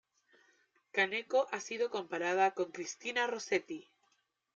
Kaneko ha sido comparada con Christina Rossetti.